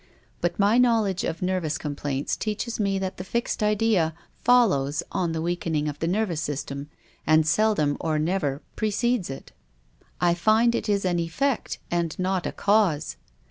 But my knowledge of nerve complaints teaches me that the fixed idea follows on the weakening of the nervous system, and sel dom or never precedes it. I find it is an effect and not a cause.